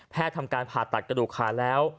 ทำการผ่าตัดกระดูกขาแล้ว